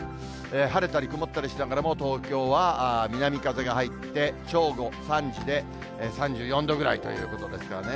晴れたり曇ったりしながらも、東京は南風が入って、正午、３時で３４度ぐらいということですからね。